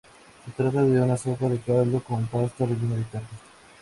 Se trata de una sopa de caldo con pasta rellena de carne.